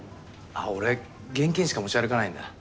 俺現金しか持ち歩かないんだ。